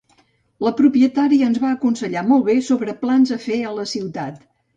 La propietària ens va aconsellar molt bé sobre plans a fer a la ciutat.